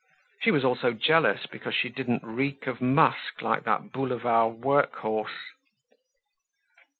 She was also jealous because she didn't reek of musk like that boulevard work horse.